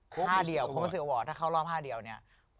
โคมิสเซอวอร์โคมิสเซอวอร์ถ้าเข้ารอบ๕เดียวเนี่ยโคมิสเซอวอร์